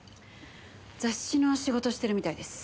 雑誌の仕事してるみたいです。